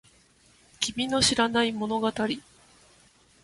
君の知らない物語